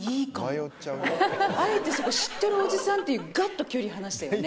あえてそこ「知ってるおじさん」っていうガッと距離離したよね。